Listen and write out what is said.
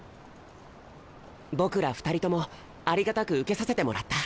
僕ら２人ともありがたく受けさせてもらった。